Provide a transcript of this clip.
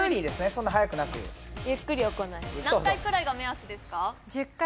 そんな速くなくゆっくり行います何回くらいが目安ですか？